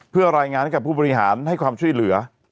เพื่อรายงานให้กับผู้บริหารให้ความช่วยเหลือ